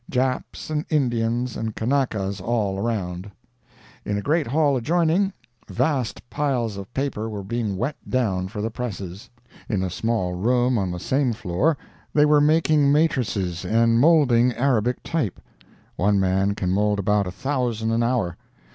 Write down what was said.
Japs and Indians and Kanakas all around. In a great hall adjoining, vast piles of paper were being wet down for the presses. In a small room on the same floor they were making matrices and moulding Arabic type. One man can mould about a thousand an hour.